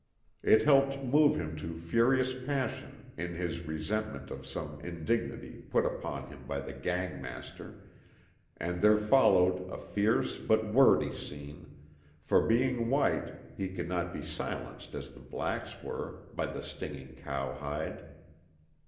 It helped move him to furious passion in his re sentment of some indignity put upon him by the gang master, and there followed a fierce but wordy scene ; for, being white, he could not be silenced as the blacks were, by the stinging cowhide.